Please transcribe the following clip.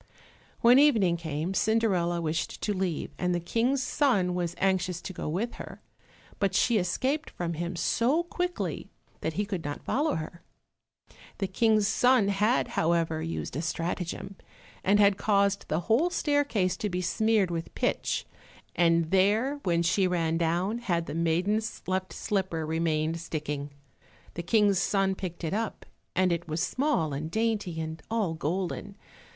When evening came, Cinderella wished to leave, and the King's son was anxious to go with her, but she escaped from him so quickly that he could not follow her. The King's son had, however, used a strategem, and had caused the whole staircase to be smeared with pitch, and there, when she ran down, had the maiden's left slipper remained sticking. The King's son picked it up, and it was small and dainty, and all golden.